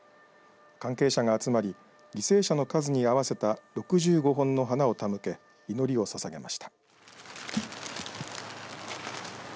関係者が集まり犠牲者の数に合わせた６５本の花を手向け祈りをささげました。